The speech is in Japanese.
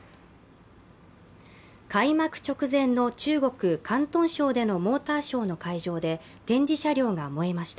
開幕直前の中国広東省でのモーターショーの会場で展示車両が燃えました。